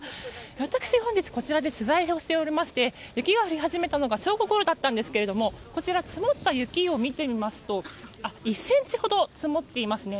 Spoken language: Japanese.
私、本日こちらで取材をしておりまして雪が降り始めたのが正午ごろだったんですけれどもこちら、積もった雪を見てみると１ｃｍほど積もっていますね。